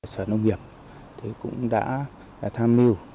xã nông nghiệp cũng đã tham mưu